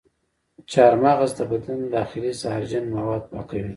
چارمغز د بدن داخلي زهرجن مواد پاکوي.